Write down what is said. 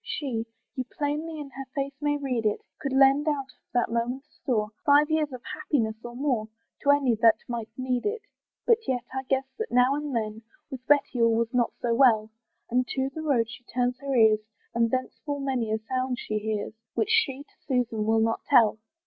she, You plainly in her face may read it, Could lend out of that moment's store Five years of happiness or more, To any that might need it. But yet I guess that now and then With Betty all was not so well, And to the road she turns her ears, And thence full many a sound she hears, Which she to Susan will not tell.